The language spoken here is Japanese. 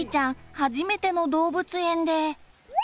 初めての動物園で。